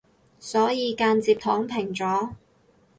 所以間接躺平咗